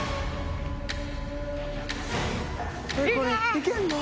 いけんの？